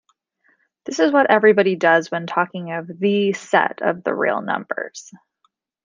This is what everybody does when talking of ""the" set of the real numbers".